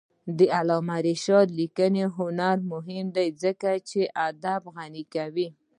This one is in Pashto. د علامه رشاد لیکنی هنر مهم دی ځکه چې ادب غني کوي.